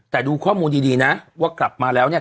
แต่ดูข้อมูลดีนะว่ากลับมาแล้วเนี่ย